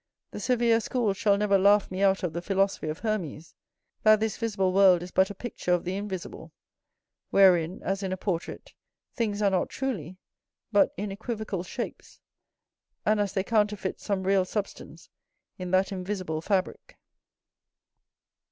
The severe schools shall never laugh me out of the philosophy of Hermes, that this visible world is but a picture of the invisible, wherein, as in a portrait, things are not truly, but in equivocal shapes, and as they counterfeit some real substance in that invisible fabrick.